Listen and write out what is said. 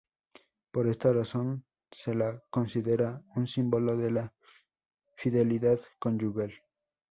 Por esta razón se la considera un símbolo de la fidelidad conyugal.